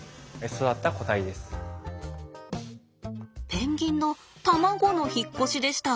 ペンギンの卵の引っ越しでした。